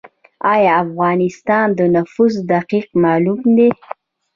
آیا د افغانستان نفوس دقیق معلوم دی؟